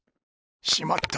しまった！